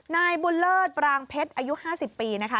นายบุญเลิศปรางเพชรอายุ๕๐ปีนะคะ